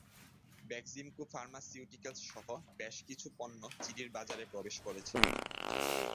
Beximco pharmaceuticals সহ বেশি কিছু পণ্য চিলির বাজারে প্রবেশ করেছে।